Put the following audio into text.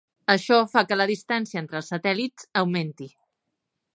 Això fa que la distància entre els satèl·lits augmenti.